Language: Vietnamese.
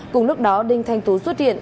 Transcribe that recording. cùng lúc đó đinh thanh tú xuất hiện